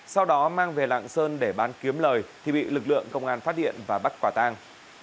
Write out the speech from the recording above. sau đó mang về lạng sơn để bán kiếm lời thì bị lực lượng công an phát hiện và bắt quả tang